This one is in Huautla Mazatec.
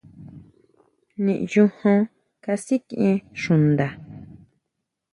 Niʼyu jon kasikʼien xuʼnda.